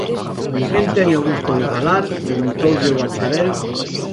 Con quen teño o gusto de falar? –preguntoulle o bacharel.